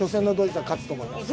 勝つと思います。